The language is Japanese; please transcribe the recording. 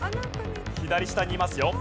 左下にいますよ。